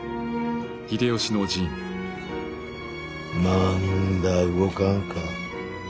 まんだ動かんか？